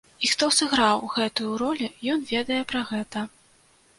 І хто сыграў гэтую ролю, ён ведае пра гэта.